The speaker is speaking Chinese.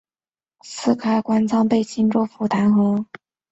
但随即因私开官仓被青州府弹劾。